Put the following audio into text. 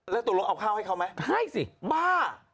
แล้วตกลงเอาข้าวให้เขาไหมให้สิบ้า